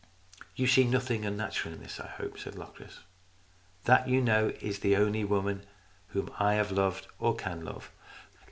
"You see nothing unnatural in this, I hope," said Locris. " That, you know, is the only woman whom I have loved or can love.